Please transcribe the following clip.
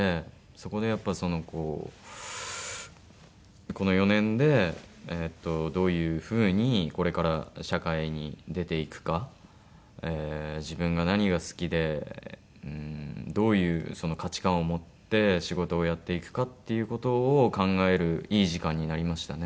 そこでやっぱこうこの４年でどういう風にこれから社会に出ていくか自分が何が好きでどういう価値観を持って仕事をやっていくかっていう事を考えるいい時間になりましたね。